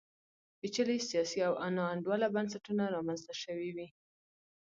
پېچلي سیاسي او ناانډوله بنسټونه رامنځته شوي وي.